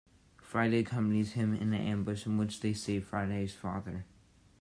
Friday accompanies him in an ambush in which they save Friday's father.